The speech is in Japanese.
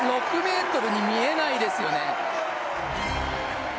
６ｍに見えないですよね。